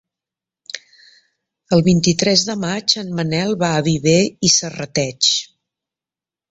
El vint-i-tres de maig en Manel va a Viver i Serrateix.